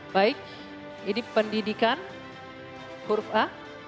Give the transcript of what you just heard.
baik ini pendidikan huruf a